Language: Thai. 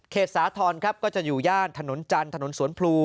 สาธรณ์ครับก็จะอยู่ย่านถนนจันทร์ถนนสวนพลู